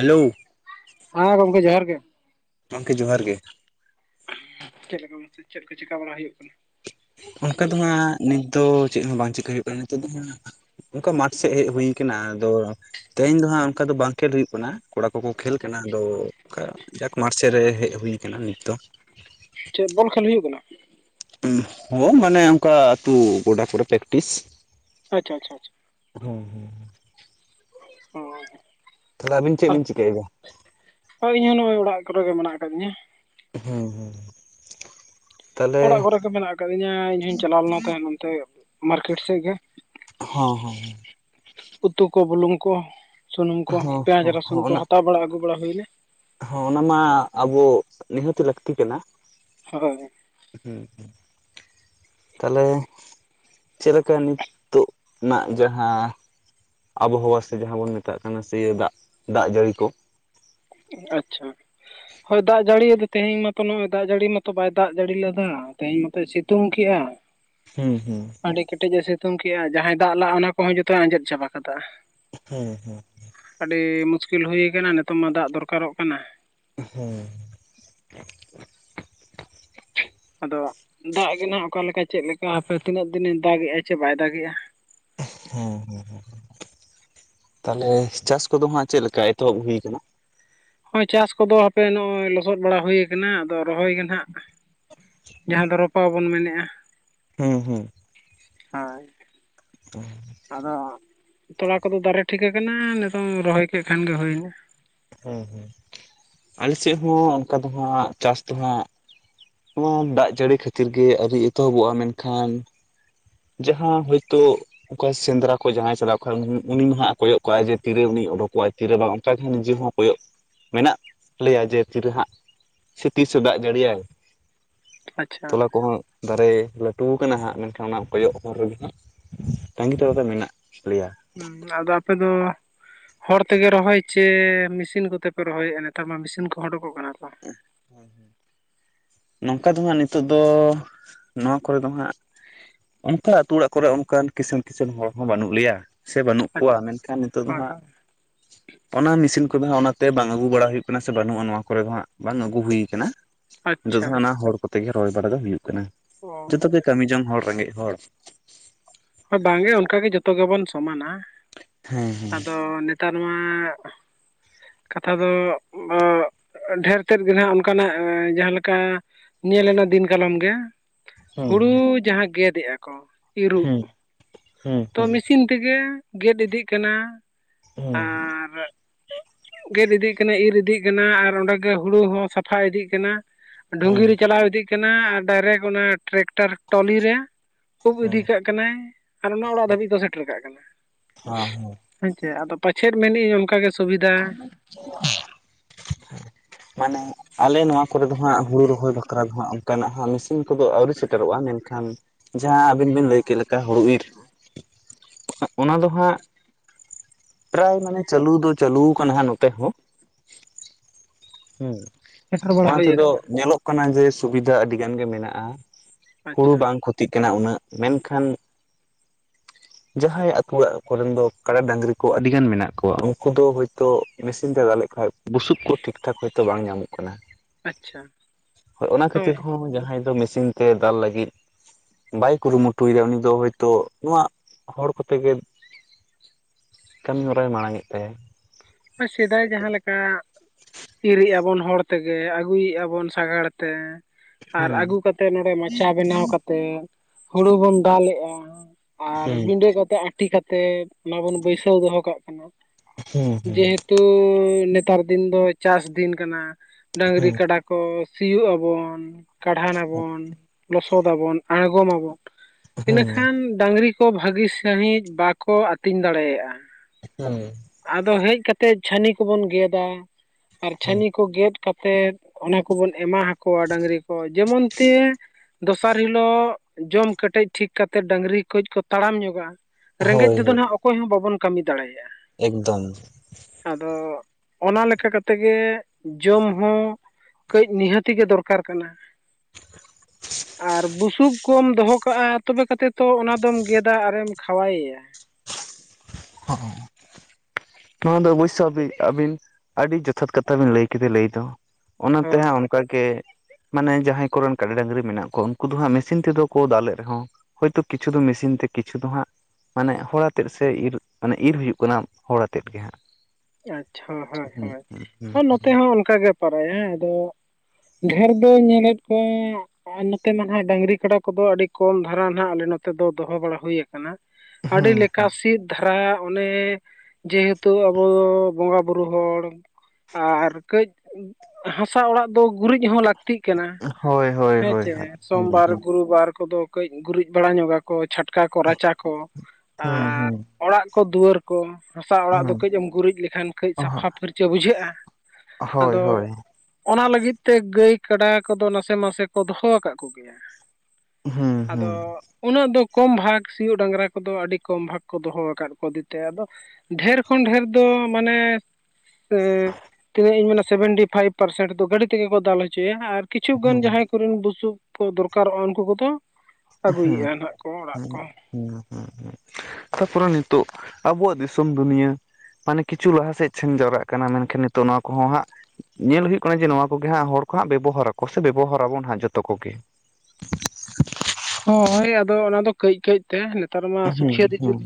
Hello. ᱦᱟᱸ ᱜᱚᱝᱠᱮ ᱡᱚᱦᱟᱨ ᱜᱮ ᱾ ᱜᱚᱝᱠᱮ ᱡᱚᱦᱟᱨ ᱜᱮ ᱾ ᱪᱮᱫ ᱞᱮᱠᱟ ᱢᱟᱥᱮ, ᱪᱮᱫ ᱠᱚ ᱪᱮᱠᱟ ᱵᱟᱲᱟ ᱦᱩᱭᱩᱜ ᱠᱟᱱᱟ ᱾ ᱚᱱᱠᱟ ᱫᱚ ᱦᱟᱸᱜ ᱱᱤᱛ ᱫᱚ ᱪᱮᱫ ᱦᱚᱸ ᱵᱟᱝ ᱪᱤᱠᱟᱹ ᱦᱩᱭᱩᱜ ᱠᱟᱱᱟ ᱱᱤᱛᱚᱜ ᱫᱚ ᱦᱟᱸᱜ ᱚᱱᱠᱟ ᱢᱟᱴᱷ ᱥᱮᱜ ᱦᱮᱜ ᱦᱩᱭ ᱟᱠᱟᱱᱟ ᱟᱫᱚ ᱛᱮᱦᱮᱸᱧ ᱫᱚ ᱦᱟᱸᱜ ᱚᱱᱠᱟ ᱫᱚ ᱵᱟᱝ ᱠᱷᱮᱞ ᱦᱩᱭᱩᱜ ᱠᱟᱱᱟ, ᱠᱚᱲᱟ ᱠᱚᱠᱚ ᱠᱷᱮᱞ ᱠᱟᱱᱟ, ᱟᱫᱚ ᱠᱟ ᱡᱟᱠ ᱢᱟᱴᱷ ᱥᱮᱜ ᱨᱮ ᱦᱮᱜ ᱦᱩᱭ ᱟᱠᱟᱱᱟ ᱱᱤᱛ ᱫᱚ ᱾ ᱪᱮᱫ ᱵᱚᱞ ᱠᱷᱮᱞ ᱦᱩᱭᱩᱜ ᱠᱟᱱᱟ? ᱩᱸᱦ, ᱦᱚᱸ ᱢᱟᱱᱮ ᱚᱝᱠᱟ ᱟᱹᱛᱩ ᱜᱚᱰᱟ ᱠᱚᱨᱮ ᱯᱮᱠᱴᱤᱥ ᱟᱪᱪᱷᱟ ᱟᱪᱪᱷᱟ ᱟᱪᱪᱷᱟ ᱾ ᱦᱩᱸ ᱦᱩᱸ ᱾ ᱳ ᱦᱚᱸᱜ ᱾ ᱛᱟᱦᱞᱮ ᱟᱹᱵᱤᱱ ᱪᱮᱜ ᱵᱤᱱ ᱪᱤᱠᱟᱹ ᱭᱮᱫᱟ ᱾ ᱦᱚᱭ ᱤᱧ ᱦᱚᱸ ᱱᱚᱼᱚᱭ ᱚᱲᱟᱜ ᱠᱚᱨᱮ ᱜᱮ ᱢᱮᱱᱟᱜ ᱟᱠᱟᱜ ᱫᱤᱧ-ᱟ ᱾ ᱦᱮᱸ ᱦᱩᱸ ᱦᱩᱸ᱾ ᱚᱲᱟᱜ ᱠᱚᱨᱮ ᱜᱮ ᱢᱮᱱᱟᱜ ᱟᱠᱟᱜ ᱫᱤᱧᱟ ᱤᱧ ᱦᱩᱧ ᱪᱟᱞᱟᱣ ᱞᱮᱱᱟ ᱛᱟᱦᱮᱱ ᱚᱱᱛᱮ ᱢᱟᱨᱠᱮᱴ ᱥᱮᱜ ᱜᱮ ᱾ ᱦᱚᱸ ᱦᱚᱸ ᱦᱚᱸ ᱾ ᱩᱛᱩ ᱠᱚ ᱵᱩᱞᱩᱝ ᱠᱚ, ᱥᱩᱱᱩᱢ ᱠᱚ ᱦᱚᱸ ᱯᱮᱭᱟᱡ ᱦᱚᱸ ᱨᱟᱹᱥᱩᱱ ᱦᱚᱸ ᱠᱚ ᱚᱱᱟ ᱦᱟᱛᱟᱣ ᱵᱟᱲᱟ ᱟᱹᱜᱩ ᱵᱟᱲᱟ ᱦᱩᱭᱮᱱᱟ᱾ ᱦᱚᱸ ᱚᱱᱟ ᱢᱟ ᱟᱵᱚ ᱱᱤᱦᱟᱹᱛᱤ ᱞᱟᱹᱠᱛᱤ ᱠᱟᱱᱟ ᱾ ᱦᱚᱭ ᱾ ᱦᱩᱸ ᱦᱩᱸ, ᱛᱟᱞᱦᱮ᱾ ᱪᱮᱫ ᱞᱮᱠᱟ ᱱᱤᱛ-ᱛᱚᱜ ᱱᱟᱜ ᱡᱟᱦᱟᱸ ᱟᱵᱚ ᱦᱚᱣᱟ ᱥᱮ ᱡᱟᱦᱟᱸ ᱵᱚᱱ ᱢᱮᱛᱟᱜ ᱠᱟᱱᱟ ᱥᱮ ᱤᱭᱟᱹ ᱫᱟᱜᱽ ᱼ ᱫᱟᱜᱽ ᱡᱟᱹᱲᱤ ᱠᱚ ᱾ ᱟᱪᱪᱷᱟ ᱾ ᱦᱚᱭ ᱫᱟᱜᱽ ᱡᱟᱹᱲᱤ ᱭᱟᱫᱚ ᱛᱮᱦᱤᱧ ᱢᱟᱛᱚ ᱱᱚᱜ-ᱚᱭ ᱫᱟᱜᱽ ᱡᱟᱹᱲᱤ ᱢᱟᱛᱚ ᱵᱟᱭ ᱫᱟᱜᱽ ᱡᱟᱹᱲᱤ ᱞᱮᱫᱟ ᱛᱮᱦᱤᱧ ᱢᱟᱛᱚᱭ ᱥᱤᱛᱩᱝ ᱠᱮᱜᱼᱟ᱾ ᱦᱮᱸ ᱦᱩᱸ ᱾ ᱟᱹᱰᱤ ᱠᱮᱴᱮᱡ ᱮ ᱥᱤᱛᱩᱝ ᱠᱮᱜᱼᱟ ᱡᱟᱦᱟᱸᱭ ᱫᱟᱜᱽ ᱞᱟᱜᱼᱟ ᱚᱱᱟ ᱠᱚᱦᱚᱸ ᱡᱚᱛᱚᱭ ᱟᱸᱡᱮᱫ ᱪᱟᱵᱟ ᱠᱟᱫᱟᱜ-ᱟ ᱾ ᱦᱮᱸ ᱦᱩᱸ ᱾ ᱟᱹᱰᱤ ᱢᱩᱥᱠᱤᱞ ᱦᱩᱭᱟ ᱠᱟᱱᱟ ᱱᱤᱛᱚᱝ ᱢᱟ ᱫᱟᱜᱽ ᱫᱚᱨᱠᱟᱨᱚᱜ ᱠᱟᱱᱟ ᱾ ᱦᱩᱸ ᱾ ᱟᱫᱚ ᱫᱟᱜ ᱜᱮ ᱱᱟᱜ ᱚᱠᱟ ᱞᱮᱠᱟ ᱪᱮᱫ ᱞᱮᱠᱟ ᱦᱟᱯᱮ ᱛᱤᱱᱟᱹᱜ ᱫᱤᱱᱮ ᱫᱟᱜᱮᱜ-ᱟ ᱪᱮ ᱵᱟᱭ ᱫᱟᱜᱮᱜ-ᱟ᱾ ᱦᱩᱸ, ᱦᱩᱸ ᱦᱩᱸ ᱦᱩᱸ ᱦᱩᱸ᱾ ᱛᱟᱦᱞᱮ ᱪᱟᱥ ᱠᱩᱫᱚ ᱦᱟᱸᱜ ᱪᱮᱫ ᱞᱮᱠᱟ ᱮᱛᱚᱦᱚᱵ ᱦᱩᱭ ᱠᱟᱱᱟ? ᱦᱳᱭ ᱪᱟᱥ ᱠᱚᱫᱚ ᱦᱟᱯᱮ ᱱᱚᱜ-ᱚᱭ ᱞᱚᱥᱚᱫ ᱵᱟᱲᱟ ᱦᱩᱭ ᱠᱟᱱᱟ ᱟᱫᱚ ᱨᱚᱦᱚᱭ ᱜᱮ ᱱᱟᱜ᱾ ᱡᱟᱦᱟᱸ ᱫᱚ ᱨᱚᱯᱟᱣ ᱵᱩᱱ ᱢᱮᱱᱮᱜ-ᱟ᱾ ᱦᱩᱸ ᱦᱩᱸ᱾ ᱦᱟᱹᱭ᱾ ᱩᱸ᱾ ᱟᱫᱚ, ᱛᱚᱞᱟ ᱠᱩᱫᱚ ᱫᱟᱨᱮ ᱴᱷᱤᱠ ᱠᱟᱠᱟᱱᱟ ᱱᱤᱛᱚᱝ ᱨᱚᱦᱚᱭ ᱠᱮ ᱠᱷᱟᱱᱜᱮ ᱦᱩᱭᱱᱟ᱾ ᱦᱩᱸ ᱦᱩᱸ, ᱟᱞᱮ ᱥᱮᱫ ᱦᱚᱸ ᱚᱱᱠᱟ ᱫᱚ ᱦᱟᱸᱜ ᱪᱟᱥ ᱫᱚ ᱦᱟᱸᱜ ᱱᱚᱣᱟ ᱫᱟᱜ ᱡᱟᱹᱲᱤ ᱠᱷᱟᱹᱛᱤᱨ ᱜᱮ ᱟᱹᱣᱨᱤ ᱮᱛᱚᱦᱚᱵᱚᱜ-ᱟ ᱢᱮᱱᱠᱷᱟᱱ ᱡᱟᱦᱟᱸ ᱦᱳᱭᱛᱳ ᱚᱠᱚᱭ ᱥᱮᱸᱫᱽᱨᱟ ᱠᱷᱚᱭ ᱡᱟᱦᱟᱸᱭ ᱪᱟᱞᱟᱣ ᱠᱷᱟᱡ-ᱟᱭ ᱩᱱᱤ ᱢᱟ ᱦᱟᱸᱜ ᱠᱚᱭᱚᱜ ᱠᱟᱜ-ᱟᱭ ᱡᱮ ᱛᱤᱨᱮ ᱩᱱᱤ ᱚᱰᱚᱠᱚᱜ-ᱟᱭ ᱛᱤᱨᱮ ᱵᱟᱝ᱾ ᱴᱟᱡ ᱦᱚᱸ ᱱᱤᱡᱮ ᱦᱚᱸ ᱠᱚᱭᱚᱜ ᱢᱮᱱᱟᱜ ᱞᱮᱭᱟ ᱡᱮ ᱛᱤᱨᱮ ᱦᱟᱸᱜ ᱥᱮ ᱛᱤᱥᱮ ᱫᱟᱜ ᱡᱟᱹᱲᱤᱭᱟᱭ? ᱟᱪᱪᱷᱟ ᱛᱚᱞᱟ ᱠᱩᱦᱚᱸ ᱫᱟᱨᱮ ᱞᱟᱹᱴᱩᱣ ᱠᱟᱱᱟ ᱦᱟᱸᱜ ᱢᱮᱱ ᱠᱷᱟᱱ ᱚᱱᱟ ᱠᱚᱭᱚᱜ ᱦᱚᱨ ᱨᱮᱜᱮ ᱱᱟᱜ ᱛᱟᱺᱜᱤ ᱛᱟᱲᱟᱜ ᱨᱮ ᱢᱮᱱᱟᱜ ᱞᱮᱭᱟ᱾ ᱦᱩᱸ, ᱟᱫᱚ ᱟᱯᱮ ᱫᱚ ᱦᱚᱲ ᱛᱮᱜᱮ ᱨᱚᱦᱚᱭ ᱪᱮ ᱢᱮᱥᱤᱱ ᱠᱚᱛᱮ ᱯᱮ ᱨᱚᱦᱚᱭᱮᱜ-ᱟ? ᱱᱮᱛᱟᱨ ᱢᱟ ᱢᱮᱥᱤᱱ ᱠᱚᱦᱚᱸ ᱩᱰᱩᱠᱚᱜ ᱠᱟᱱᱟ ᱠᱚ᱾ ᱦᱳᱭ ᱦᱳᱭ᱾ ᱱᱚᱝᱠᱟ ᱫᱚ ᱦᱟᱸᱜ ᱱᱤᱛᱚᱜ ᱫᱚ ᱱᱚᱣᱟ ᱠᱚᱨᱮ ᱫᱚ ᱦᱟᱸᱜ ᱚᱱᱠᱟ ᱟᱹᱛᱩ ᱚᱲᱟᱜ ᱠᱚᱨᱮ ᱚᱱᱠᱟᱱ ᱠᱤᱥᱟᱹᱬ ᱠᱤᱥᱟᱹᱬ ᱦᱚᱲ ᱦᱚᱸ ᱵᱟᱹᱱᱩᱜ ᱞᱮᱭᱟ᱾ ᱥᱮ ᱵᱟᱹᱱᱩᱜ ᱠᱚᱣᱟ ᱢᱮᱱᱠᱷᱟᱱ ᱱᱤᱛᱳᱜ ᱫᱚ ᱦᱳᱭ ᱦᱟᱸᱜ᱾ ᱦᱳᱭ ᱚᱱᱟ ᱢᱮᱥᱤᱱ ᱠᱚᱫᱚ ᱦᱟᱸᱜ ᱚᱱᱟᱛᱮ ᱵᱟᱝ ᱟᱹᱜᱩ ᱵᱟᱲᱟ ᱦᱩᱭᱩᱜ ᱠᱟᱱᱟ ᱥᱮ ᱵᱟᱹᱱᱩᱜᱼᱟ ᱱᱚᱣᱟ ᱠᱚᱨᱮ ᱫᱚ ᱦᱟᱸᱜ ᱵᱟᱝ ᱟᱹᱜᱩ ᱦᱩᱭ ᱠᱟᱱᱟ᱾ ᱱᱤᱛᱚᱜ ᱫᱚ ᱟᱪᱪᱷᱟ ᱦᱟᱸᱜ ᱚᱱᱟ ᱦᱚᱲ ᱠᱚᱛᱮ ᱜᱮ ᱨᱚᱦᱚᱭ ᱵᱟᱲᱟ ᱫᱚ ᱦᱩᱭᱩᱜ ᱠᱟᱱᱟ᱾ ᱡᱚᱛᱚ ᱠᱤ ᱠᱟᱹᱢᱤ ᱡᱚᱝ ᱦᱚᱲ ᱨᱮᱸᱜᱮᱡ ᱦᱚᱲ᱾ ᱦᱚᱸ, ᱵᱟᱝᱜᱮ ᱚᱱᱠᱟᱜᱮ ᱡᱚᱛᱚ ᱜᱮᱵᱚᱱ ᱥᱚᱢᱟᱱᱟ᱾ ᱦᱮᱸ ᱦᱮᱸ ᱟᱫᱚ ᱱᱮᱛᱟᱨ ᱢᱟ ᱠᱟᱛᱷᱟ ᱫᱚ ᱰᱷᱮᱨ ᱛᱮᱫ ᱜᱮ ᱱᱟᱜ ᱚᱱᱠᱟᱱᱟᱜ ᱡᱟᱦᱟᱸᱞᱮᱠᱟ ᱧᱮᱞᱮᱱᱟ ᱫᱤᱱ ᱠᱟᱞᱚᱢ ᱜᱮ, ᱦᱩᱲᱩ ᱦᱩᱸ ᱡᱟᱦᱟᱸ ᱜᱮᱫᱮᱜ-ᱟ ᱠᱚ᱾ ᱤᱨᱚᱜ ᱦᱩᱸ ᱦᱩᱸ ᱛᱚ ᱦᱩᱸ ᱢᱮᱥᱤᱱ ᱛᱮᱜᱮ ᱜᱮᱫ ᱤᱫᱤᱜ ᱠᱟᱱᱟ ᱦᱩᱸ ᱟᱨ ᱜᱮᱫ ᱤᱫᱤᱜ ᱠᱟᱱᱟ ᱤᱨ ᱤᱫᱤᱜ ᱠᱟᱱᱟ ᱟᱨ ᱚᱸᱰᱮ ᱜᱮ ᱦᱩᱲᱩ ᱦᱚᱸ ᱥᱟᱯᱷᱟ ᱤᱫᱤᱜ ᱠᱟᱱᱟ ᱦᱩᱸ ᱰᱩᱸᱜᱤ ᱨᱮ ᱪᱟᱞᱟᱣ ᱤᱫᱤᱜ ᱠᱟᱱᱟ ᱟᱨ ᱰᱟᱭᱨᱮᱠᱴ ᱚᱱᱟ ᱴᱨᱟᱠᱴᱟᱨ ᱴᱨᱚᱞᱤᱨᱮ᱾ ᱩᱵ ᱦᱩᱸ ᱤᱫᱤ ᱠᱟᱜ ᱠᱟᱱᱟᱭ ᱟᱨ ᱚᱱᱟ ᱚᱲᱟᱜ ᱫᱷᱟᱹᱵᱤᱡ ᱫᱚ ᱥᱮᱴᱮᱨ ᱠᱟᱜ ᱠᱟᱱᱟ᱾ ᱦᱚᱸ ᱦᱚᱸ ᱦᱮᱸ ᱪᱮ ᱟᱫᱚ ᱯᱟᱪᱮᱫ ᱢᱮᱱᱮᱫ ᱟᱹᱧ ᱚᱱᱠᱟᱜᱮ ᱥᱩᱵᱤᱫᱷᱟ᱾ ᱦᱮᱸ, ᱢᱟᱱᱮ ᱟᱞᱮ ᱱᱚᱣᱟ ᱠᱚᱨᱮ ᱫᱚ ᱦᱟᱸᱜ ᱦᱩᱲᱩ ᱨᱚᱦᱚᱭ ᱵᱟᱠᱷᱨᱟ ᱫᱚ ᱦᱟᱸᱜ ᱚᱝᱠᱟᱱᱟᱜ ᱦᱟᱸᱜ ᱢᱮᱥ ᱥᱤᱱ ᱠᱚᱫᱚ ᱟᱹᱣᱨᱤ ᱥᱮᱴᱮᱨᱚᱜ-ᱟ ᱢᱮᱱᱠᱷᱟᱱ ᱡᱟᱦᱟᱸ ᱟᱹᱵᱤᱱ ᱵᱤᱱ ᱞᱟᱹᱭ ᱠᱮᱫ ᱞᱮᱠᱟ ᱦᱩᱲᱩ ᱤᱨ ᱚᱱᱟ ᱫᱚ ᱦᱟᱸᱜ ᱯᱨᱟᱭ ᱢᱟᱱᱮ ᱪᱟᱹᱞᱩ ᱫᱚ ᱪᱟᱹᱟᱞᱩᱣ ᱠᱟᱱᱟ ᱦᱟᱸᱜ ᱱᱚᱛᱮ ᱦᱚᱸ᱾ ᱦᱩᱸ, ᱥᱮᱴᱮᱨ ᱵᱟᱲᱟ ᱚᱱᱟ ᱦᱩᱭ ᱛᱮᱫᱚ ᱟᱠᱟᱱᱟ ᱧᱮᱞᱚᱜ ᱠᱟᱱᱟ ᱡᱮ ᱥᱩᱵᱤᱫᱷᱟ ᱟᱹᱰᱤ ᱜᱟᱱ ᱜᱮ ᱢᱮᱱᱟᱜ-ᱟ᱾ ᱦᱩᱲᱩ ᱟᱪᱪᱷᱟ ᱵᱟᱝ ᱠᱷᱚᱛᱤᱜ ᱠᱟᱱᱟ ᱩᱱᱟᱹᱜ ᱢᱮᱱᱠᱷᱟᱱ ᱡᱟᱦᱟᱸᱭ ᱟᱹᱛᱩ ᱚᱲᱟᱜ ᱠᱚᱨᱮᱱ ᱫᱚ ᱠᱟᱲᱟ ᱰᱟᱝᱨᱤ ᱠᱚ ᱟᱹᱰᱤᱜᱟᱱ ᱢᱮᱱᱟᱜ ᱠᱚᱣᱟ ᱩᱝᱠᱩ ᱫᱚ ᱦᱳᱭᱛᱳ ᱢᱮᱥᱤᱱ ᱛᱮ ᱫᱟᱞᱮᱜ ᱠᱷᱟᱡ ᱵᱩᱥᱩᱵ ᱠᱚ ᱴᱷᱤᱠ ᱴᱷᱟᱠ ᱦᱳᱭᱛᱳ ᱵᱟᱝ ᱧᱟᱢᱚᱜ ᱠᱟᱱᱟ, ᱟᱪᱪᱷᱟ ᱦᱳᱭ ᱚᱱᱟ ᱠᱷᱟᱹᱛᱤᱨ ᱦᱚᱸ ᱡᱟᱦᱟᱸᱭ ᱫᱚ ᱢᱮᱥᱤᱱ ᱛᱮ ᱫᱟᱞ ᱞᱟᱹᱜᱤᱫ ᱵᱟᱭ ᱠᱩᱨᱩᱢᱩᱴᱩᱭᱮᱫᱟ ᱩᱱᱤ ᱫᱚ ᱦᱚᱭᱛᱚ ᱱᱚᱣᱟᱜ ᱦᱚᱲ ᱠᱚᱛᱮ ᱜᱮᱼᱼ ᱠᱟᱹᱢᱤ ᱦᱚᱨᱟᱭ ᱢᱟᱲᱟᱝᱮᱫ ᱛᱟᱭᱟ᱾ ᱥᱮᱫᱟᱭ ᱡᱟᱦᱟᱸ ᱞᱮᱠᱟ᱾ ᱠᱟ ᱤᱨᱜ ᱟ ᱵᱚᱱ ᱦᱚᱲ ᱛᱮᱜᱮ ᱟᱹᱜᱩᱭᱮ ᱟ ᱵᱚᱱ ᱥᱟᱜᱟᱲ ᱛᱮᱼᱼ ᱟᱨ ᱦᱩᱸ ᱟᱹᱜᱩ ᱠᱟᱛᱮᱫ ᱱᱚᱸᱰᱮ ᱢᱟᱪᱟ ᱵᱮᱱᱟᱣ ᱠᱟᱛᱮᱫ ᱦᱩᱲᱩ ᱵᱚᱱ ᱫᱟᱞᱜᱼᱟ᱾ ᱟᱨ ᱦᱩᱸ ᱵᱤᱸᱰᱟᱹ ᱠᱟᱛᱮᱫ ᱟᱴᱤ ᱠᱟᱛᱮᱫ ᱚᱱᱟ ᱵᱚᱱ ᱵᱟᱹᱭᱥᱟᱹᱣ ᱫᱚᱦᱚ ᱠᱟᱜ ᱠᱟᱱᱟ᱾ ᱦᱩᱸ ᱡᱮᱦᱮᱛᱩ ᱱᱮᱛᱟᱨ ᱫᱤᱱ ᱫᱚ ᱪᱟᱥ ᱫᱤᱱ ᱠᱟᱱᱟ ᱰᱟᱝᱨᱤ ᱦᱩᱸ ᱠᱟᱰᱟ᱾ ᱠᱚ ᱥᱤᱭᱳᱜ ᱟᱵᱚᱱ ᱠᱟᱰᱟᱱᱵᱚᱱ ᱞᱚᱥᱚᱫᱟᱵᱚᱱ ᱟᱬᱜᱚᱢ ᱟᱵᱚᱱᱼᱼ ᱦᱩᱸ ᱤᱱᱟᱹᱠᱷᱟᱱ ᱰᱟᱝᱨᱤ ᱠᱚ ᱵᱷᱟᱹᱜᱤ ᱥᱟᱺᱦᱤᱡ ᱵᱟᱠᱚ ᱟᱹᱛᱤᱧ ᱫᱟᱲᱮᱭᱟᱜᱼᱟ᱾ ᱦᱮᱸ ᱟᱫᱚ ᱦᱮᱡ ᱠᱟᱛᱮᱜ ᱪᱷᱟᱹᱱᱤ ᱠᱚᱵᱚᱱ ᱜᱮᱫᱟ ᱟᱨ ᱦᱩᱸ ᱪᱷᱟᱹᱱᱤ ᱠᱚ ᱜᱮᱫᱼᱼ ᱠᱟᱛᱮᱫ ᱚᱱᱟ ᱠᱚᱵᱚᱱ ᱮᱢᱟ ᱟᱠᱠᱚᱣᱟ ᱰᱟᱹᱝᱨᱤ ᱠᱚ ᱡᱮᱢᱚᱱᱼᱼ ᱛᱮ ᱫᱚᱥᱟᱨ ᱦᱤᱞᱳᱜ ᱡᱚᱢ ᱠᱮᱴᱮᱡ ᱴᱷᱤᱠ ᱠᱟᱛᱮ ᱰᱟᱹᱝᱨᱤ ᱠᱟᱹᱡ ᱠᱚ ᱛᱟᱲᱟᱢ ᱧᱚᱜᱟᱼᱟ᱾ ᱨᱮᱸᱜᱮᱡ ᱦᱳᱭ ᱛᱮᱫᱚ ᱦᱳᱭ ᱦᱟᱸᱜ ᱚᱠᱚᱭ ᱦᱚᱸ ᱵᱟᱵᱚᱱ ᱠᱟᱹᱢᱤ ᱫᱟᱲᱮᱭᱟᱜᱼᱟ᱾ ᱮᱠᱫᱚᱢ ᱟᱫᱚ ᱚᱱᱟ ᱞᱮᱠᱟ ᱠᱟᱛᱮ ᱜᱮ ᱡᱚᱢ ᱦᱚᱸᱼᱼᱼ ᱠᱟᱹᱡ ᱱᱤᱦᱟᱹᱛᱤ ᱜᱮ ᱫᱚᱨᱠᱟᱨ ᱠᱟᱱᱟ ᱟᱨ ᱵᱩᱥᱩᱵᱼᱼ ᱠᱚᱞ ᱫᱚᱦᱚ ᱠᱟᱜᱼᱟ ᱛᱚᱵᱮ ᱠᱟ ᱠᱟᱛᱮᱮᱫ ᱛᱚ ᱚᱱᱟ ᱫᱚᱢ ᱜᱮᱫᱟ ᱟᱨᱮᱢ ᱠᱷᱟᱣᱟᱭᱮᱭᱟ᱾ ᱦᱚᱸ ᱱᱚᱣᱟ ᱫᱚ ᱚᱵᱚᱥᱳᱭ ᱟᱹᱵᱤᱱ ᱟᱹᱰᱤ ᱡᱚᱛᱷᱟᱛ ᱠᱟᱛᱷᱟ ᱵᱤᱱ ᱞᱟᱹᱭ ᱠᱮᱫᱮ ᱞᱟᱹᱭ ᱫᱚ᱾ ᱚᱱᱟᱛᱮᱦᱟᱸ ᱦᱳᱭ ᱚᱱᱠᱟᱜᱮ ᱢᱟᱱᱮ ᱡᱟᱸᱦᱟᱸᱭ ᱠᱚᱨᱮᱱ ᱠᱟᱰᱟ ᱰᱟᱝᱨᱤ ᱢᱮᱱᱟᱜ ᱠᱟ ᱩᱱᱠᱩ ᱫᱚ ᱦᱟᱸᱜ ᱢᱮᱥᱤᱱ ᱛᱮᱫᱚ ᱠᱚ ᱫᱟᱞᱮᱫ ᱨᱮᱦᱚᱸᱼᱼᱼ ᱦᱳᱭᱛᱳ ᱠᱤᱪᱷᱩ ᱫᱚ ᱢᱮᱥᱤᱱ ᱛᱮ ᱠᱤᱪᱷᱩ ᱫᱚ ᱦᱟᱸᱜ ᱢᱟᱱᱮ ᱦᱚᱲᱟ ᱛᱮᱫ ᱥᱮ ᱤᱨ ᱢᱟᱱᱮ ᱤᱨ ᱦᱩᱭᱩᱜ ᱠᱟᱱᱟ ᱦᱚᱲ ᱟᱛᱮᱫ ᱜᱮ ᱦᱟᱸᱜ᱾ ᱟᱪᱪᱷᱟ ᱦᱩᱸ ᱦᱳᱭ ᱦᱩᱸ ᱦᱳᱭ ᱱᱚᱛᱮ ᱦᱚᱸ ᱚᱱᱠᱟ ᱜᱮ ᱯᱟᱨᱟᱭᱟ ᱟᱫᱚ᱾ ᱰᱷᱮᱨ ᱫᱚᱧ ᱧᱮᱞᱮᱫ ᱠᱚᱣᱟ᱾ ᱟᱨ ᱱᱚᱛᱮ ᱢᱟ ᱦᱟᱸᱜ ᱰᱟᱝᱨᱤ, ᱠᱟᱰᱟ, ᱠᱚᱫᱚ ᱟᱹᱰᱤ ᱠᱚᱢ ᱫᱷᱟᱨᱟ ᱱᱟᱦᱟᱜ ᱟᱞᱮ ᱱᱚᱛᱮ ᱫᱚᱦᱚ ᱵᱟᱲᱟ ᱦᱩᱭ ᱟᱠᱟᱱᱟ᱾ ᱟᱹᱰᱤ ᱦᱩᱸ ᱦᱩᱸ ᱞᱮᱠᱟ ᱥᱤᱫ ᱫᱷᱟᱨᱟ ᱚᱱᱮ ᱡᱮᱦᱮᱛᱩᱼᱼ ᱵᱚᱸᱜᱟ ᱵᱩᱨᱩ ᱦᱚᱲ ᱟᱨ ᱠᱟᱹᱡ ᱦᱟᱥᱟ ᱚᱲᱟᱜ ᱫᱚ ᱜᱩᱨᱤᱡ ᱦᱚᱸ ᱞᱟᱜ ᱞᱟᱹᱠᱛᱤᱜ ᱠᱟᱱᱟ ᱦᱳᱭ ᱦᱳᱭ ᱦᱳᱭ ᱦᱮᱸ ᱦᱳᱭ ᱪᱮ ᱦᱩᱸ ᱥᱚᱢᱵᱟᱨ, ᱦᱩᱸ ᱜᱩᱨᱩᱵᱟᱨ, ᱠᱚᱫᱚᱼᱼᱼ ᱠᱟᱹᱡ ᱜᱩᱨᱤᱡ ᱵᱟᱲᱟ ᱧᱚᱜᱼᱟᱠᱚ ᱪᱷᱟᱴᱠᱟ, ᱠᱚ ᱨᱟᱪᱟ, ᱠᱚᱼᱼ ᱦᱮᱸ ᱦᱮᱸ ᱚᱲᱟᱜᱠᱚ, ᱫᱩᱣᱟᱹᱨᱠᱚ, ᱦᱟᱥᱟ ᱚᱲᱟᱜ ᱫᱚᱼᱼ ᱠᱟᱹᱡ ᱮᱢ ᱜᱩᱨᱤᱡ ᱞᱮᱠᱷᱟᱱ ᱠᱟᱹᱡ ᱦᱩᱸ ᱥᱟᱯᱷᱟ ᱯᱷᱟᱨᱪᱟᱹ ᱵᱩᱡᱷᱟᱹᱜᱼᱟ ᱦᱳᱭ ᱟᱫᱚᱼᱼ ᱦᱳᱭ ᱚᱱᱟ ᱞᱟᱹᱜᱤᱫ ᱛᱮ ᱜᱟᱹᱭ ᱠᱟᱰᱟ ᱠᱚᱫᱚ ᱱᱟᱥᱮ ᱢᱟᱥᱮ ᱠᱚ ᱫᱚᱦᱚ ᱟᱠᱟᱫ ᱠᱚᱜᱮᱭᱟ᱾ ᱦᱩᱸ ᱦᱩᱸ ᱟᱫᱚᱼᱼ ᱦᱩᱸ ᱩᱱᱟᱹᱜ ᱫᱚ ᱠᱚᱢ ᱵᱷᱟᱜᱽ ᱥᱤᱭᱳᱜ ᱰᱟᱝᱨᱟ ᱠᱚᱫᱚ ᱟᱹᱰᱤ ᱠᱚᱢ ᱵᱷᱟᱜᱽ ᱠᱚ ᱫᱚᱦᱚ ᱟᱠᱟᱫ ᱠᱚᱣᱟᱤᱫᱮᱛᱮ ᱟᱫᱚ ᱰᱷᱮᱨᱼᱼ ᱮᱠᱷᱚᱱ ᱰᱷᱮᱨ ᱫᱚ ᱢᱟᱱᱮᱼᱼ ᱥᱮ ᱛᱤᱱᱟᱹᱜ ᱤᱧ ᱢᱮᱱᱟ ᱥᱮᱵᱷᱮᱱᱴᱤ ᱯᱷᱟᱭᱤᱵ ᱯᱟᱨᱥᱮᱱᱴ ᱫᱚ ᱜᱟᱹᱰᱤ ᱛᱮᱜᱮ ᱠᱚ ᱫᱟᱞ ᱦᱚᱪᱚᱭᱟ ᱟᱨᱼᱼ ᱠᱤᱪᱷᱩ ᱜᱟᱱ ᱦᱩᱸ ᱡᱟᱦᱟᱸᱭ ᱠᱚᱨᱮᱱ ᱵᱩᱥᱩᱵ ᱠᱚ ᱫᱚᱨᱠᱟᱨᱚᱜᱼᱟ ᱩᱱᱠᱩ ᱠᱚᱫᱚᱼᱼ ᱦᱩᱸ ᱦᱩᱸ ᱦᱩᱸ ᱦᱩᱸ ᱛᱟᱯᱚᱨᱮ ᱱᱤᱛᱳᱜ ᱟᱵᱚᱣᱟᱜ ᱫᱤᱥᱚᱢ ᱫᱩᱱᱤᱭᱟᱹ᱾ ᱢᱟᱱᱮ ᱠᱤᱪᱷᱩ ᱞᱟᱦᱟ ᱥᱮᱫ ᱥᱮᱱ ᱡᱟᱣᱨᱟᱜ ᱠᱟᱱᱟ ᱢᱮᱱᱠᱷᱟᱱ ᱱᱤᱛᱳᱜ ᱱᱚᱣᱟ ᱠᱚᱦᱚᱸ ᱦᱟᱸᱜᱼᱼ ᱧᱮᱞ ᱦᱩᱭᱩᱜ ᱠᱟᱱᱟ ᱡᱮ ᱱᱚᱣᱟ ᱠᱚᱜᱮ ᱦᱟᱸᱜ ᱦᱚᱲ ᱠᱚ ᱦᱟᱸᱜ ᱵᱮᱵᱚᱦᱟᱨ ᱟᱠᱚ ᱥᱮ ᱵᱮᱵᱚᱦᱟᱨ ᱟᱵᱚᱱ ᱦᱟᱸᱜ ᱡᱚᱛᱚ ᱠᱚᱜᱮᱼᱼ ᱦᱳᱭ ᱟᱫᱚ ᱚᱱᱟ ᱫᱚ ᱠᱟᱹᱡ ᱠᱟᱹᱡ ᱛᱮᱼᱼ ᱦᱩᱸ ᱦᱩᱸ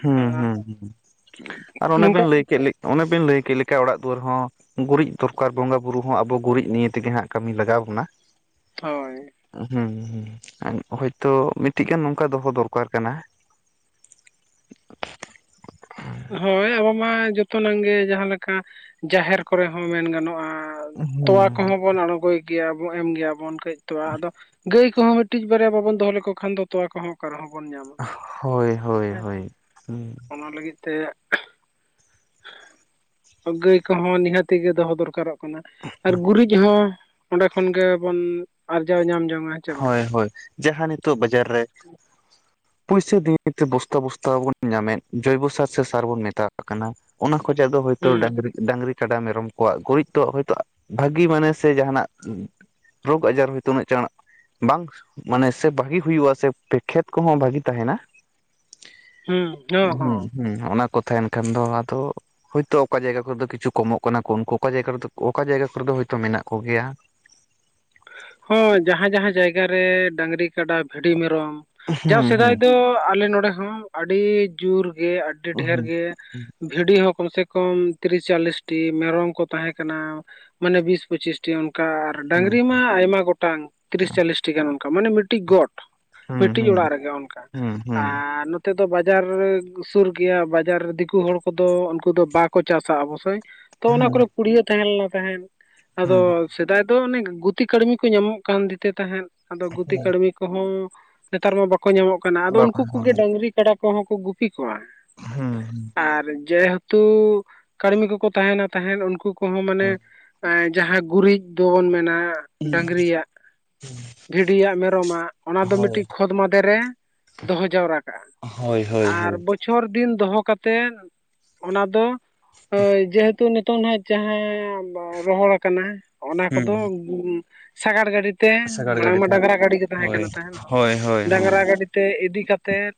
ᱦᱩᱸ ᱦᱩᱸ ᱦᱩᱸ ᱟᱨ ᱚᱱᱮ ᱵᱤᱱ ᱱᱚᱝᱠᱟ ᱞᱟᱹᱭ ᱠᱮᱫ ᱚᱱᱮ ᱵᱤᱱ ᱞᱟᱹᱭ ᱠᱮᱫ ᱞᱮᱠᱟ ᱚᱲᱟᱜ ᱫᱩᱣᱟᱹᱨ ᱦᱚᱸ ᱜᱩᱨᱤᱡ ᱫᱚᱨᱠᱟᱨ ᱵᱚᱸᱜᱟ ᱵᱩᱨᱩ ᱦᱚᱸ ᱟᱵᱚ ᱜᱩᱨᱤᱡ ᱱᱤᱭ ᱛᱮᱜᱮ ᱦᱟᱸᱜ ᱠᱟᱹᱢᱤ ᱞᱟᱜᱟᱣ ᱵᱚᱱᱟ ᱾ ᱦᱳᱭ ᱾ ᱦᱩᱸ ᱦᱩᱸ ᱦᱳᱭᱛᱚ ᱢᱤᱫᱴᱤᱡ ᱜᱟᱱ ᱱᱚᱝᱠᱟ ᱫᱚᱦᱚ ᱫᱚᱨᱠᱟᱨ ᱠᱟᱱᱟ ᱾ ᱦᱳᱭ ᱟᱵᱚ ᱢᱟ ᱡᱚᱛᱚᱱᱟᱝ ᱜᱮ ᱡᱟᱦᱟᱸ ᱞᱮᱠᱟ ᱡᱟᱦᱮᱨ ᱠᱚᱨᱮ ᱦᱚᱸ ᱢᱮᱱ ᱜᱟᱱᱚᱜᱼᱟ ᱾ ᱛᱚᱣᱟ ᱦᱩᱸ ᱠᱚᱦᱚᱸ ᱵᱚᱱ ᱟᱬᱜᱳᱭ ᱜᱮᱭᱟ ᱵᱚ ᱮᱢ ᱜᱮᱭᱟᱵᱚᱱ ᱠᱟᱹᱡ ᱛᱚᱣᱟ ᱟᱫᱚ ᱜᱟᱹᱭ ᱠᱚᱦᱚᱸ ᱢᱤᱹᱴᱤᱡ ᱵᱟᱨᱭᱟ ᱵᱟᱵᱚᱱ ᱫᱚᱦᱚ ᱞᱮᱠᱚ ᱠᱷᱟᱱ ᱫᱚ ᱛᱚᱣᱟ ᱠᱚᱦᱚᱸ ᱚᱠᱟ ᱨᱮᱦᱚᱸ ᱵᱚᱱ ᱧᱟᱢᱟ ᱦᱳᱭ ᱦᱳᱭ ᱦᱮᱸ ᱦᱳᱭ ᱦᱩᱸ ᱚᱱᱟ ᱞᱟᱹᱜᱤᱫ ᱛᱮ ᱜᱟᱹᱭ ᱠᱚᱦᱚᱸ ᱱᱤᱦᱟᱹᱛᱤ ᱜᱮ ᱫᱚᱦᱚ ᱫᱚᱨᱠᱟᱨᱚᱜ ᱠᱟᱱᱟ ᱟᱨ ᱜᱩᱨᱤᱡ ᱦᱚᱸ ᱚᱸᱰᱮ ᱠᱷᱚᱱ ᱜᱮᱵᱚᱱ ᱟᱨᱡᱟᱣ ᱧᱟᱢ ᱡᱚᱝᱼᱟ᱾ ᱦᱳᱭ ᱦᱳᱭ ᱡᱟᱦᱟᱸ ᱱᱤᱛᱚᱜ ᱵᱟᱡᱟᱨ ᱨᱮ ᱯᱩᱭᱥᱟᱹ ᱫᱤᱭᱮ ᱱᱮᱛᱮ ᱵᱚᱥᱛᱟ ᱵᱚᱥᱛᱟ ᱵᱚᱱ ᱧᱟᱢᱮᱫ ᱡᱚᱭᱵᱚ ᱥᱟᱨ ᱥᱮ ᱥᱟᱨ ᱵᱚᱱ ᱢᱮᱛᱟᱜ ᱠᱟᱱᱟ, ᱚᱱᱟ ᱠᱷᱚᱡᱟᱜ ᱫᱚ ᱦᱚᱭᱛᱚ ᱦᱩᱸ ᱰᱟᱝᱨᱤ ᱰᱟᱝᱨᱤ ᱠᱟᱰᱟ ᱢᱮᱨᱚᱢ ᱠᱚᱣᱟᱜ ᱜᱩᱨᱤᱡ ᱛᱚ ᱦᱳᱭᱛᱚ ᱵᱷᱟᱹᱜᱤ ᱢᱟᱱᱮ ᱥᱮ ᱡᱟᱦᱟᱱᱟᱜ ᱨᱳᱜᱽ ᱟᱡᱟᱨ ᱦᱚᱭᱛᱚ ᱩᱱᱟᱹᱜ ᱪᱟᱬᱟᱜ ᱵᱟᱝ ᱢᱟᱱᱮ ᱥᱮ ᱵᱷᱟᱜᱤ ᱦᱩᱭᱩᱜᱼᱟ ᱥᱮ ᱠᱷᱮᱛ ᱠᱚᱦᱚᱸ ᱵᱷᱟᱜᱤ ᱛᱟᱦᱮᱱᱟ ᱾ ᱦᱩᱸ ᱦᱚᱸ ᱦᱩᱸ ᱦᱚᱸ ᱦᱩᱸ ᱚᱱᱟ ᱠᱚ ᱛᱟᱦᱮᱱ ᱠᱷᱟᱱ ᱫᱚ, ᱟᱫᱚ ᱦᱳᱭᱛᱚ ᱚᱠᱟ ᱡᱟᱭᱜᱟ ᱠᱚᱨᱮ ᱫᱚ ᱠᱤᱪᱷᱩ ᱠᱚᱢᱚᱜ ᱠᱟᱱᱟ ᱠᱚ ᱩᱱᱠᱩ ᱚᱠᱟ ᱡᱟᱭᱜᱟ ᱨᱮᱫᱚ ᱚᱠᱟ ᱡᱟᱭᱜᱟ ᱠᱚᱨᱮ ᱫᱚ ᱦᱚᱭᱛᱚ ᱢᱮᱱᱟᱜ ᱠᱚᱜᱮᱭᱟ ᱾ ᱦᱳᱭ ᱡᱟᱦᱟᱸ ᱡᱟᱦᱟᱸ ᱡᱟᱭᱜᱟ ᱨᱮ ᱰᱟᱝᱨᱤ, ᱠᱟᱰᱟ, ᱵᱷᱤᱰᱤ, ᱢᱮᱨᱚᱢ ᱡᱟᱣ ᱦᱩᱸ ᱥᱮᱫᱟᱭ ᱦᱩᱸ ᱫᱚ ᱟᱞᱮ ᱱᱚᱰᱮ ᱦᱚᱸ ᱟᱹᱰᱤ ᱡᱳᱨᱜᱮ ᱟᱹᱰᱤ ᱰᱷᱮᱨ ᱜᱮ ᱵᱷᱤᱰᱤ ᱦᱚᱸ ᱠᱚᱢ ᱥᱮ ᱠᱚᱢ ᱛᱤᱨᱤᱥ ᱪᱚᱞᱤᱥᱴᱤ ᱢᱮᱨᱚᱢ ᱠᱚ ᱛᱟᱦᱮᱸᱠᱟᱱᱟ ᱾ ᱢᱟᱱᱮ ᱵᱤᱥ ᱯᱚᱸᱪᱤᱥ ᱚᱱᱠᱟ ᱟᱨ ᱦᱩᱸ ᱰᱟᱝᱨᱤ ᱢᱟ ᱟᱭᱢᱟ ᱜᱚᱴᱟᱝ ᱛᱤᱨᱤᱥ ᱪᱟᱞᱞᱤᱥᱴᱤ ᱜᱟᱱ ᱚᱱᱠᱟ ᱢᱟᱱᱮ ᱢᱤᱫᱴᱤᱡ ᱜᱚᱴ ᱾ ᱦᱩᱸ ᱢᱤᱫᱴᱤᱡ ᱦᱩᱸ ᱚᱲᱟᱜ ᱨᱮᱜᱮ ᱚᱱᱠᱟ ᱦᱩᱸ ᱦᱩᱸ ᱦᱩᱸ ᱟᱨ ᱚᱱᱛᱮ ᱫᱚ ᱵᱟᱡᱟᱨ ᱥᱩᱨ ᱜᱮᱭᱟ ᱵᱟᱡᱟᱨ ᱫᱤᱠᱩ ᱦᱚᱲ ᱠᱚᱫᱚ ᱩᱱᱠᱩ ᱫᱚ ᱵᱟᱠᱚ ᱪᱟᱥᱟ ᱚᱵᱚᱥᱥᱳᱭ ᱾ ᱛᱚ ᱚᱱᱟ ᱦᱩᱸ ᱠᱚᱨᱮ ᱯᱩᱲᱭᱟᱹ ᱛᱟᱦᱮᱸ ᱞᱮᱱᱟ ᱛᱟᱦᱮᱸᱫ ᱦᱩᱸ ᱟᱫᱚ ᱥᱮᱫᱟᱭ ᱫᱚ ᱚᱱᱮ ᱜᱩᱛᱤ ᱠᱟᱹᱲᱢᱤ ᱠᱚ ᱧᱟᱢᱚᱜ ᱠᱟᱱ ᱛᱟᱦᱮᱸᱫ ᱟᱫᱚ ᱜᱩᱛᱤ ᱦᱩᱸ ᱠᱟᱹᱲᱢᱤ ᱠᱚᱦᱚᱸ ᱱᱮᱛᱟᱨ ᱢᱟ ᱵᱟ ᱵᱟᱠᱚ ᱧᱟᱢᱚᱜ ᱠᱟᱱᱟ ᱟᱫᱚ ᱵᱟᱠᱷᱟᱱ ᱩᱱᱠᱩ ᱦᱩᱸ ᱠᱚᱜᱮ ᱰᱟᱝᱝᱨᱤ ᱠᱟᱰᱟ ᱠᱚᱦᱚᱸ ᱠᱚ ᱜᱩ ᱜᱩᱯᱤ ᱠᱚᱣᱟ ᱦᱩᱸ ᱟᱨ ᱡᱮᱦᱮ ᱛᱩ ᱠᱟᱹᱲᱢᱤ ᱠᱚᱠᱚ ᱛᱟᱦᱮᱱᱟ ᱛᱟᱦᱮᱸᱫ ᱩᱱᱠᱩ ᱠᱚᱦᱚᱸ ᱢᱟᱱᱮ ᱦᱩᱸ ᱮᱸ ᱡᱟᱦᱟᱸ ᱜᱩᱨᱤᱡ ᱵᱚᱱ ᱢᱮᱱᱟ ᱰᱟᱝᱨᱤᱭᱟᱜ ᱵᱷᱤᱰᱤᱭᱟᱜ ᱢᱮᱨᱚᱢᱟᱜ ᱚᱱᱟ ᱫᱚ ᱦᱳᱭ ᱢᱤᱫᱴᱤᱡ ᱠᱷᱚᱫ ᱢᱟᱫᱷᱮ ᱨᱮ ᱫᱚᱦᱚ ᱡᱟᱣᱨᱟ ᱠᱟᱜᱼᱟ ᱾ ᱦᱳᱭ ᱦᱳᱭ ᱦᱳᱭ ᱾ ᱵᱚᱪᱷᱚᱨ ᱫᱤᱱ ᱫᱚᱦᱚ ᱠᱟᱛᱮ ᱚᱱᱟ ᱫᱚ ᱡᱮᱦᱮᱛᱩ ᱱᱤᱛᱚᱝ ᱱᱟᱜ ᱡᱟᱦᱟᱸ ᱨᱚᱦᱚᱲ ᱠᱟᱱᱟ ᱚᱱᱟ ᱦᱩᱸ ᱠᱚᱫᱚ ᱥᱟᱜᱟᱲ ᱜᱟᱹᱰᱤ ᱛᱮ ᱥᱟᱜᱟᱲ ᱢᱟᱲᱟᱝ ᱜᱟᱹᱰᱤ ᱢᱟ ᱛᱮ ᱦᱟᱸᱜ ᱰᱟᱝᱨᱟ ᱜᱟᱹᱰᱤ ᱜᱮ ᱛᱟᱦᱮᱸ ᱦᱳᱭ ᱠᱟᱱᱟ ᱛᱟᱦᱮᱸᱱ ᱦᱳᱭ ᱦᱳᱭ ᱦᱳᱭ ᱰᱟᱝᱨᱟ ᱜᱟᱹᱰᱤ, ᱛᱮ ᱤᱫᱤ ᱠᱟᱛᱮᱮᱫ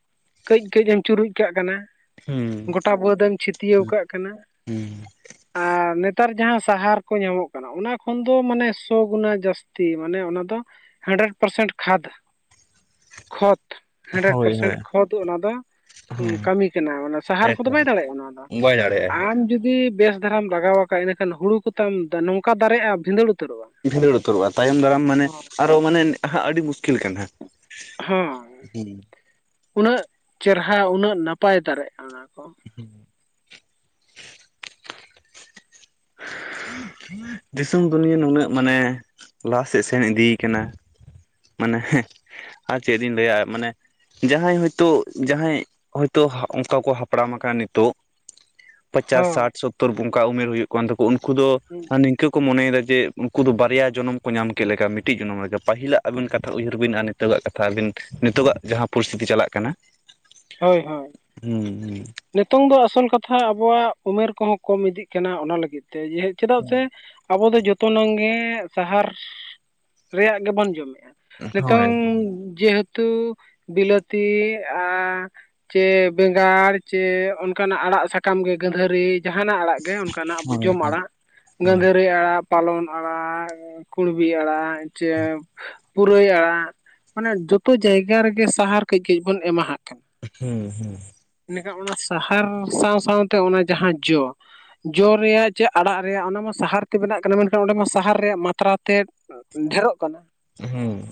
ᱠᱟᱹᱡ ᱠᱟᱹᱡ ᱮᱢ ᱪᱩᱨᱩᱡ ᱠᱟᱜ ᱠᱟᱱᱟ, ᱦᱩᱸ ᱜᱳᱴᱟ ᱵᱟᱹᱫ ᱮᱢ ᱪᱷᱟᱹᱴᱭᱟᱹᱣ ᱠᱟᱜ ᱠᱟᱱᱟ ᱦᱩᱸ ᱾ ᱟᱨ ᱱᱮᱛᱟᱨ ᱡᱟᱦᱟᱸ ᱥᱟᱦᱟᱨ ᱠᱚ ᱧᱟᱢᱚᱜ ᱠᱟᱱᱟ ᱚᱱᱟ ᱠᱷᱚᱱ ᱫᱚ ᱢᱟᱱᱮ ᱥ ᱜᱩᱱᱟ ᱡᱟᱹᱥᱛᱤ ᱢᱟᱱᱮ ᱚᱱᱟ ᱫᱚ ᱦᱟᱱᱰᱨᱮᱰ ᱯᱟᱨᱥᱮᱱᱴ ᱠᱷᱟᱫᱽ ᱠᱷᱚᱛ ᱦᱟᱱᱰᱨᱮᱰ ᱦᱳᱭ ᱯᱟᱨᱥᱮᱱᱴ ᱦᱳᱭ ᱠᱷᱚᱛ ᱚᱱᱟ ᱫᱚ ᱦᱩᱸ ᱠᱟᱹᱢᱤ ᱠᱟᱱᱟ ᱚᱱᱟ ᱥᱟᱦᱟᱨ ᱠᱚᱫᱚ ᱮᱠᱫᱚᱢ ᱵᱟᱭ ᱫᱟᱲᱮᱭᱟᱜᱼᱟ ᱚᱱᱟ ᱫᱚ ᱾ ᱵᱟᱭ ᱫᱟᱲᱮᱭᱟᱜᱼᱟᱭ ᱟᱢ ᱡᱩᱫᱤ ᱵᱮᱥ ᱫᱷᱟᱨᱟᱢ ᱵᱟᱜᱟᱣ ᱟᱠᱟ ᱤᱱᱟᱹᱠᱷᱟᱱ ᱦᱩᱲ ᱠᱚᱛᱟᱢ ᱱᱚᱝᱠᱟ ᱫᱟᱨᱮᱜᱼᱟ ᱵᱷᱤᱸᱟᱹᱲ ᱩᱛᱟᱹᱨᱚᱜᱼᱟ ᱾ ᱵᱷᱤᱸᱫᱟᱹᱲ ᱩᱛᱟᱹᱨᱚᱜᱼᱟ ᱛᱟᱭᱚᱢ ᱫᱟᱨᱟᱢ ᱢᱟᱱᱮ ᱟᱨᱚ ᱢᱟᱱᱮ ᱦᱟᱸᱜ ᱟᱹᱰᱤ ᱢᱩᱥᱠᱤᱞ ᱠᱟᱱᱟ ᱾ ᱦᱚᱸ ᱩᱱᱟᱹᱜ ᱪᱮᱨᱦᱟ ᱩᱱᱟᱹᱜ ᱱᱟᱯᱟᱭ ᱫᱟᱲᱮᱜᱼᱟ᱾ ᱚᱱᱟ ᱠᱚ, ᱦᱮᱸ, ᱫᱤᱥᱚᱢ ᱫᱩᱱᱤᱭᱟᱹ ᱱᱩᱱᱟᱹᱜ ᱢᱟᱱᱮ ᱞᱟᱦᱟᱥᱮᱫ ᱥᱮᱱ ᱤᱫᱤᱭ ᱟᱠᱟᱱᱟ᱾ ᱢᱟᱱᱮ ᱟᱨ ᱪᱮᱫ ᱤᱧ ᱞᱟᱹᱭᱟ ᱢᱟᱱᱮ ᱡᱟᱦᱟᱸᱭ ᱦᱳᱭᱛᱳ ᱡᱟᱦᱟᱸᱭ ᱦᱳᱭᱛᱚ ᱚᱱᱠᱟ ᱠᱚ ᱦᱟᱯᱲᱟᱢ ᱟᱠᱟᱱᱟ ᱱᱤᱛᱚᱜ, ᱯᱚᱪᱟᱥ, ᱦᱳᱭ ᱥᱟᱴ, ᱥᱳᱛᱛᱳᱚᱨ ᱚᱱᱠᱟ ᱩᱢᱮᱨ ᱦᱩᱭᱩᱜ ᱠᱟᱱ ᱛᱟᱠᱚᱣᱟ, ᱩᱱᱠᱩ ᱫᱚ ᱦᱟᱱᱮ ᱤᱱᱠᱟᱹ ᱠᱚ ᱢᱚᱱᱮᱭᱮᱫᱟ ᱡᱮ ᱩᱱᱠᱩ ᱫᱚ ᱵᱟᱨᱭᱟ ᱡᱚᱱᱚᱢ ᱠᱚ ᱧᱟᱢ ᱠᱮᱫ ᱞᱮᱠᱟ ᱢᱤᱫᱴᱤᱡ ᱡᱚᱱᱚᱢ ᱞᱮᱠᱟ ᱯᱟᱹᱦᱤᱞᱟᱜ ᱟᱹᱵᱤᱱ ᱠᱟᱛᱷᱟ ᱩᱭᱦᱟᱹᱨ ᱵᱤᱱ ᱟᱨ ᱱᱤᱛᱚᱜᱼᱟᱜ ᱠᱟᱛᱷᱟ ᱟᱹᱵᱤᱱ ᱱᱤᱛᱚᱜᱟᱜ ᱡᱟᱦᱟᱸ ᱯᱚᱨᱤᱥᱛᱷᱤᱛᱤ ᱪᱟᱞᱟᱜ ᱠᱟᱱᱟ, ᱦᱳᱭ ᱦᱳᱭ, ᱦᱮᱸ ᱦᱮᱸ᱾ ᱱᱤᱛᱚᱝ ᱫᱚ ᱟᱥᱚᱞ ᱠᱟᱛᱷᱟ ᱟᱵᱚᱣᱟᱜ ᱩᱢᱮᱨ ᱠᱚᱦᱚᱸ ᱠᱚᱢ ᱤᱫᱤᱜ ᱠᱟᱱᱟ ᱚᱱᱟ ᱞᱟᱹᱜᱤᱫ ᱛᱮ᱾ ᱡᱮ ᱪᱮᱫᱟᱜ ᱥᱮ ᱟᱵᱚ ᱫᱚ ᱡᱚᱛᱚᱱᱟᱝ ᱜᱮ ᱥᱟᱦᱟᱨ ᱨᱮᱭᱟᱜ ᱜᱮᱵᱚᱱ ᱡᱚᱢᱮᱫᱼᱟ᱾ ᱦᱳᱭ ᱱᱤᱛᱚᱝ ᱮᱠᱫᱚᱢ ᱡᱮᱦᱮᱛᱩ ᱩᱛᱩ ᱵᱤᱞᱟᱹᱛᱤ ᱟᱨ ᱡᱮ ᱵᱮᱸᱜᱟᱲ ᱡᱮ ᱚᱱᱠᱟᱱᱟᱜ ᱟᱲᱟᱜ ᱥᱟᱠᱟᱢ ᱜᱮ ᱜᱟᱺᱫᱷᱟᱹᱨᱤ ᱡᱟᱦᱟᱱᱟᱜ ᱟᱲᱟᱜ ᱜᱮ ᱚᱱᱠᱟᱱᱟᱜ ᱟᱵᱚ ᱦᱳᱭ ᱡᱚᱢ ᱦᱳᱭ ᱟᱲᱟᱜ ᱦᱳᱭ ᱜᱟᱺᱫᱷᱟᱹᱨᱤ ᱟᱲᱟᱜ, ᱯᱟᱞᱚᱱ ᱟᱲᱟᱜ ᱠᱩᱬᱵᱤ ᱟᱲᱟᱜ ᱪᱮ ᱯᱩᱨᱟᱹᱭ ᱟᱲᱟᱜ ᱢᱟᱱᱮ ᱡᱚᱛᱚ ᱡᱟᱭᱜᱟ ᱨᱮᱜᱮ ᱥᱟᱦᱟᱨ ᱠᱟᱹᱡ ᱠᱟᱹᱡ ᱵᱚᱱ ᱮᱢᱟᱦᱟᱜ ᱠᱟᱱᱟ᱾ ᱦᱩᱸ ᱦᱩᱸ, ᱮᱱᱮᱠᱷᱟᱱ ᱚᱱᱟ ᱥᱟᱦᱟᱨ ᱥᱟᱶ ᱥᱟᱶᱛᱮ ᱚᱱᱟ ᱡᱟᱦᱟᱸ ᱡᱚ, ᱡᱚ ᱨᱮᱭᱟᱜ ᱪᱮ ᱟᱲᱟᱜ ᱨᱮᱭᱟᱜ ᱚᱱᱟᱢᱟ ᱥᱟᱦᱟᱨ ᱛᱮ ᱵᱮᱱᱟᱜ ᱠᱟᱱᱟ, ᱢᱮᱱᱠᱷᱟᱱ ᱚᱸᱰᱮ ᱢᱟ ᱥᱟᱦᱟᱨ ᱨᱮᱭᱟᱜ ᱢᱟᱛᱨᱟ ᱛᱮᱫ ᱰᱷᱮᱨᱚᱜ ᱠᱟᱱᱟ᱾ ᱦᱮᱸ,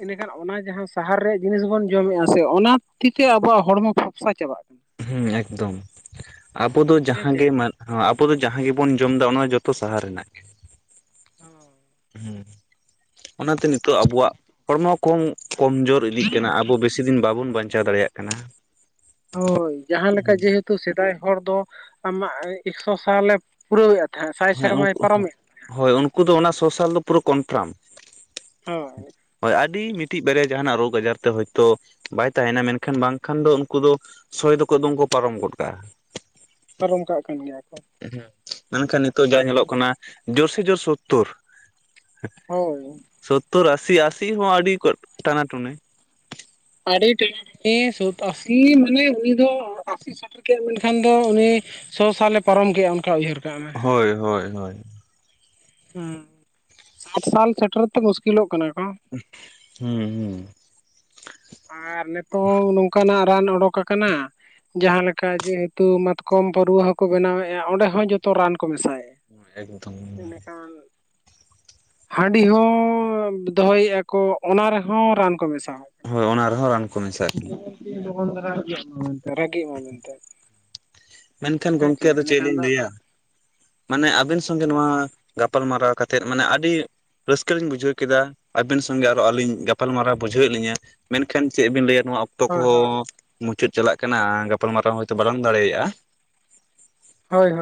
ᱮᱸᱰᱮᱠᱷᱟᱱ ᱚᱱᱟ ᱡᱟᱦᱟᱸ ᱥᱟᱦᱟᱨ ᱨᱮᱭᱟᱜ ᱡᱤᱱᱤᱥ ᱵᱚᱱ ᱡᱚᱢᱮᱜᱼᱟ ᱥᱮ, ᱚᱱᱟ ᱠᱷᱟᱹᱛᱤᱨ ᱛᱮ ᱟᱵᱚᱣᱟᱜ ᱦᱚᱲᱢᱚ ᱥᱟ ᱪᱟᱵᱟᱜ ᱠᱟᱱᱟ᱾ ᱦᱮᱸ ᱮᱠᱫᱚᱢ, ᱟᱵᱚ ᱫᱚ ᱦᱮᱸ ᱡᱟᱦᱟᱸ ᱪᱮ ᱜᱮ ᱢᱟᱱ ᱦᱚᱸ, ᱟᱵᱚ ᱫᱚ ᱡᱟᱦᱟᱸ ᱜᱮᱵᱚᱱ ᱡᱚᱢ ᱮᱫᱟ ᱚᱱᱟ ᱡᱚᱛᱚ ᱥᱟᱦᱟᱨ ᱨᱮᱱᱟᱜ ᱜᱮ᱾ ᱦᱩᱸ, ᱚᱱᱟᱛᱮ ᱱᱤᱛᱚᱜ ᱟᱵᱚᱣᱟᱜ ᱦᱚᱲᱢᱚ ᱠᱚ ᱠᱚᱢᱡᱳᱨ ᱤᱫᱤᱜ ᱠᱟᱱᱟ, ᱟᱵᱚ ᱵᱮᱥᱤ ᱫᱤᱱ ᱵᱟᱵᱚᱱ ᱵᱟᱧᱪᱟᱣ ᱫᱟᱲᱮᱭᱟᱜ ᱠᱟᱱᱟ᱾ ᱦᱳᱭ ᱡᱟᱦᱟᱸ ᱞᱮᱠᱟ ᱡᱮᱦᱮᱛᱩ ᱥᱮᱫᱟᱭ ᱦᱚᱲ ᱫᱚ ᱟᱢᱟᱜ ᱮᱠᱥᱚ ᱥᱟᱞᱮ ᱯᱩᱨᱟᱹᱣᱮᱫ ᱦᱩᱭᱩᱜ ᱛᱟᱦᱮᱸᱫ᱾ ᱥᱟᱭ ᱦᱮᱸ ᱥᱮᱨᱢᱟᱭ ᱩᱱᱠᱩ ᱯᱟᱨᱚᱢᱮᱫ ᱦᱳᱭ ᱩᱱᱠᱩ ᱫᱚ ᱚᱱᱟ ᱥᱚᱥᱟᱞ ᱫᱚ ᱯᱩᱨᱟᱹ ᱠᱚᱱᱯᱷᱟᱨᱢ᱾ ᱦᱳᱭ ᱦᱳᱭ ᱟᱹᱰᱤ ᱢᱤᱫᱴᱤᱡ ᱵᱟᱨᱭᱟ ᱡᱟᱦᱟᱱᱟᱜ ᱨᱳᱜᱽ ᱟᱡᱟᱨ ᱛᱮ ᱦᱳᱭᱛᱳ ᱵᱟᱭ ᱛᱟᱦᱮᱱᱟ, ᱢᱮᱱᱠᱷᱟᱱ ᱵᱟᱝᱠᱷᱟᱱ ᱫᱚ ᱩᱱᱠᱩ ᱫᱚ ᱥᱚᱭ ᱫᱚᱠᱚ ᱮᱠᱫᱚᱢ ᱠᱚ ᱯᱟᱨᱚᱢ ᱜᱚᱫ ᱠᱟᱜᱼᱟ᱾ ᱯᱟᱨᱚᱢ ᱠᱟᱜ ᱠᱟᱱ ᱜᱮᱭᱟ ᱠᱚ, ᱦᱩᱸ ᱢᱮᱱᱠᱷᱟᱱ ᱱᱤᱛᱳᱜ ᱡᱟ ᱧᱮᱞᱚᱜ ᱠᱟᱱᱟ ᱡᱳᱨ ᱥᱮ ᱡᱳᱨ ᱥᱳᱛᱛᱚᱨ᱾ ᱦᱳᱭ, ᱥᱚᱛᱛᱳᱨ ᱟᱥᱤ ᱟᱥᱤ ᱦᱚᱸ ᱟᱹᱰᱤ ᱴᱟᱱᱟ ᱴᱩᱱᱮ᱾ ᱟᱰᱤ ᱴᱟᱱᱟ ᱴᱟᱱᱤ ᱥᱚᱛ ᱟᱹᱥᱤ ᱢᱟᱱᱮ ᱩᱱ ᱫᱚ ᱥᱮᱴᱮᱨ ᱠᱮᱫᱼᱟ, ᱢᱮᱱᱠᱷᱟᱱ ᱫᱚ ᱩᱱᱤ ᱥᱚ ᱥᱟᱞᱮ ᱯᱟᱨᱚᱢ ᱠᱮᱜᱼᱟ ᱚᱱᱠᱟ ᱩᱭᱦᱟᱹᱨ ᱠᱟᱜ ᱢᱮ᱾ ᱦᱳᱭ ᱦᱳᱭ ᱦᱳᱭ᱾ ᱦᱮᱸ ᱥᱟᱴ ᱥᱟᱞ ᱥᱮᱴᱮᱨ ᱛᱮ ᱢᱩᱥᱠᱤᱞᱚᱜ ᱠᱟᱱᱟ ᱠᱚ᱾ ᱩᱦ ᱦᱩᱸ ᱦᱩᱸ᱾ ᱟᱨ ᱱᱤᱛᱚᱜ ᱱᱚᱝᱠᱟᱱᱟᱜ ᱨᱟᱱ ᱚᱰᱩᱠ ᱟᱠᱟᱱᱟ ᱡᱟᱦᱟᱸ ᱞᱮᱠᱟ ᱡᱮᱦᱮᱛᱩ ᱢᱟᱛᱠᱚᱢ ᱯᱟᱹᱨᱣᱟᱹ ᱦᱚᱸᱠᱚ ᱵᱮᱱᱟᱣᱮᱫᱼᱟ ᱚᱸᱰᱮ ᱦᱚᱸ ᱡᱚᱛᱚ ᱨᱟᱱ ᱠᱚ ᱢᱮᱥᱟᱭᱼᱟ ᱾ ᱮᱠᱫᱚᱢ ᱾ ᱦᱟᱺᱰᱤ ᱦᱚᱸ ᱫᱚᱦᱚᱭᱮᱫᱼᱟ ᱠᱚ ᱚᱱᱟ ᱨᱮᱦᱚᱸ ᱨᱟᱱ ᱠᱚ ᱢᱮᱥᱟ ᱦᱳᱭ ᱚᱱᱟ ᱨᱮᱦᱚᱸ ᱨᱟᱱ ᱠᱚ ᱢᱮᱥᱟᱜ [unintelligible] ᱫᱚᱠᱟᱱ ᱫᱷᱟᱨᱟ [unintelligible] ᱨᱟᱹᱜᱤᱜ [unintelligible] [inaudible] ᱢᱮᱱᱠᱷᱟᱱ ᱦᱮᱸ ᱪᱮ ᱜᱚᱝᱠᱮ ᱟᱫᱚ ᱪᱮᱫ ᱮᱸᱰᱮᱠᱷᱟᱱ ᱞᱤᱧ ᱫᱚ ᱞᱟᱹᱭᱟ ᱢᱟᱱᱮ ᱟᱵᱤᱱ ᱥᱚᱸᱜᱮ ᱱᱚᱣᱟ ᱜᱟᱯᱟᱞ ᱢᱟᱨᱟᱨᱟᱣ ᱠᱟᱛᱮᱜ ᱢᱟᱱᱮ ᱟᱹᱰᱤ ᱨᱟᱹᱥᱠᱟᱹ ᱞᱤᱧ ᱵᱩᱡᱷᱟᱹᱣ ᱠᱮᱫᱟ, ᱟᱵᱮᱱ ᱥᱚᱸᱜᱮ ᱟᱨᱚ ᱟᱹᱞᱤᱧ ᱜᱟᱯᱟᱞᱢᱟᱨᱟᱣ ᱵᱩᱡᱷᱟᱹᱣᱮᱫ ᱞᱤᱧᱟ ᱾ ᱢᱮᱱᱠᱷᱟᱱ ᱪᱮᱫ ᱵᱤᱱ ᱞᱟᱹᱭᱟ ᱱᱚᱣᱟ ᱚᱠ ᱛᱚ ᱦᱳᱭ ᱦᱳᱭ ᱠᱚᱦᱚᱸ ᱢᱩᱪᱟᱹᱫ ᱪᱟᱞᱟᱜ ᱠᱟᱱᱟ ᱜᱟᱯᱟᱞ ᱢᱟᱨᱟᱨᱟᱣ ᱦᱚᱭᱛᱳ ᱵᱟᱞᱟᱝ ᱫᱟᱲᱮᱭᱟᱜᱼᱟ ᱾ ᱦᱳᱭ ᱦᱳᱭ ᱾